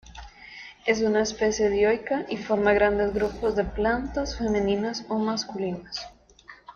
Es una especie dioica y forma grandes grupos de plantas femeninas o masculinas.